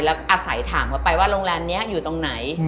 แล้วอาศัยถามเขาไปว่าโรงแรมนี้อยู่ตรงไหน